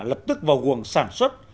lập tức vào quần sản xuất